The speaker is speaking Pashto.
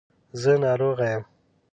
زه ناروغه یم .